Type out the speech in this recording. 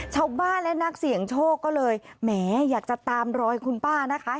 ชาวบ้านและนักเสี่ยงโชคก็เลยแหมอยากจะตามรอยคุณป้านะคะ